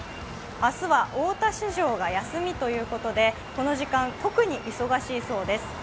明日は大田市場が休みということで特に忙しいそうです。